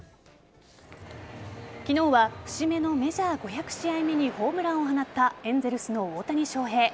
昨日は節目のメジャー５００試合目にホームランを放ったエンゼルスの大谷翔平。